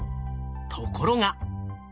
ところが。